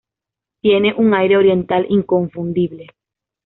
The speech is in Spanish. Tiene un aire Oriental inconfundible.